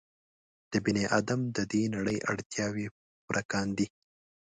د بني ادم د دې نړۍ اړتیاوې پوره کاندي.